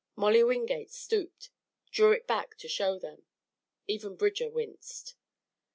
Molly Wingate stooped, drew it back to show them. Even Bridger winced.